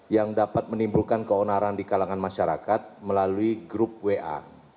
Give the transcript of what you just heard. yang dapat menimbulkan keonaran di kalangan masyarakat melalui grup wa